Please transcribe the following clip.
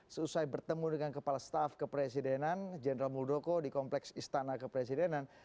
seusai bertemu dengan kepala staf kepresidenan general muldoko di kompleks istana kepresidenan